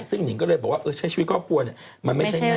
ซึ่งหนิงก็เลยบอกว่าใช้ชีวิตครอบครัวเนี่ยมันไม่ใช่ง่าย